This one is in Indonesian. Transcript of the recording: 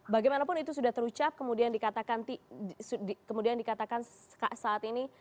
bagaimanapun itu sudah terucap kemudian dikatakan saat ini